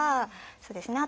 そうですね